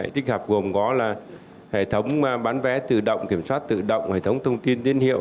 tích hợp gồm có là hệ thống bán vé tự động kiểm soát tự động hệ thống thông tin tiến hiệu